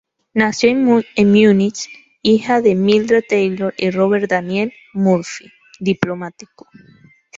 Nació en Múnich, hija de Mildred Taylor y Robert Daniel Murphy, diplomático.